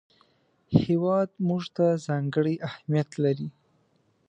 هېواد موږ ته ځانګړی اهمیت لري